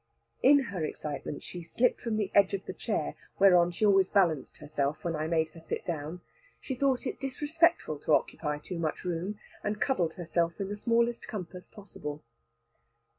In her excitement, she slipped from the edge of the chair, whereon she always balanced herself when I made her sit down. She thought it disrespectful to occupy too much room, and cuddled herself in the smallest compass possible.